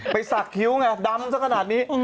ไปให้ดำสัดคิ้วแบบนี้